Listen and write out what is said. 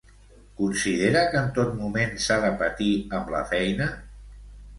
Considera que en tot moment s'ha de patir amb la feina?